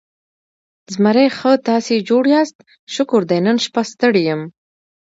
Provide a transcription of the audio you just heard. زمری: ښه، تاسې جوړ یاست؟ شکر دی، نن شپه ستړی یم.